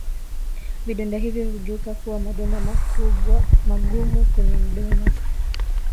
Vidonda hivyo hugeuka kuwa madonda magumu kwenye mdomo